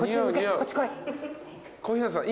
小日向さん。